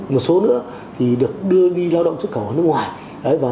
một số nữa thì được đưa đi lao động xuất khẩu ở nước ngoài